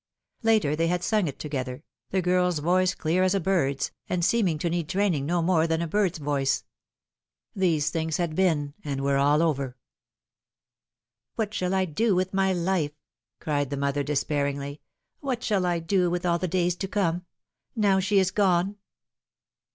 Later they had sung it together, the girl's voice clear as a bird's, and seeming to need training no more than a bird's voice. These things had been, and were all over. Such Things Were. 71 " What shall I do with my life ?" cried the mother despair ingly ;" what shall I do with all the days to come now she is gone